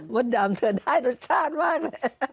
ดำเธอได้รสชาติมากเลย